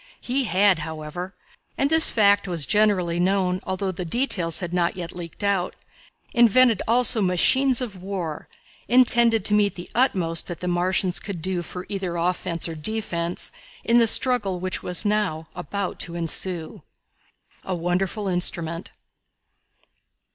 He had, however, and this fact was generally known, although the details had not yet leaked out invented also machines of war intended to meet the utmost that the Martians could do for either offence or defence in the struggle which was now about to ensue. A Wonderful Instrument.